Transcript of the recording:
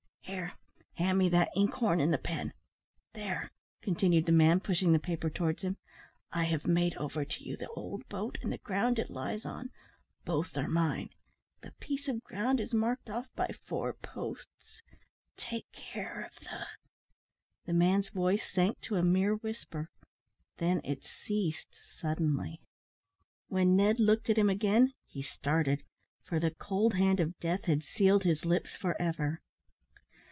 "Here, hand me that ink horn, and the pen. There," continued the man, pushing the paper towards him, "I have made over to you the old boat, and the ground it lies on. Both are mine. The piece of ground is marked off by four posts. Take care of the " The man's voice sank to a mere whisper; then it ceased suddenly. When Ned looked at him again, he started, for the cold hand of death had sealed his lips for ever.